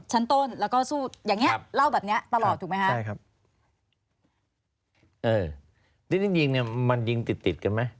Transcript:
จริงมันยิงติดกันไหม